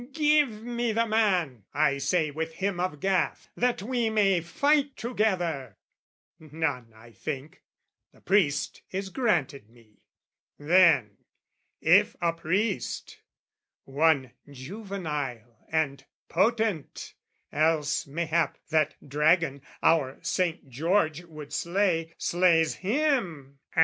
"Give me the man," I say with him of Gath, "That we may fight together" None, I think: The priest is granted me. Then, if a priest, One juvenile and potent: else, mayhap, That dragon, our Saint George would slay, slays him.